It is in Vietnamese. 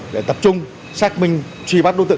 để tập trung xác minh truy bắt đối tượng